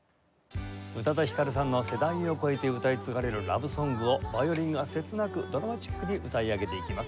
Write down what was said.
宇多田ヒカルさんの世代を超えて歌い継がれるラブソングをヴァイオリンが切なくドラマチックに歌い上げていきます。